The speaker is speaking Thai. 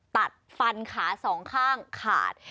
ตัดฟันขาสองข้างขาด